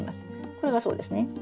これがそうですね。